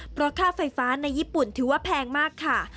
เพราะค่าไฟฟ้าในญี่ปุ่นถือว่าแพงมากค่ะ